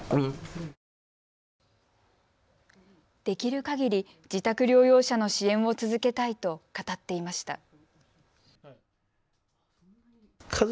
できるかぎり自宅療養者の支援を続けたいと語っていました。